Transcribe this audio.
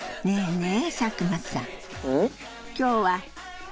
ねえ。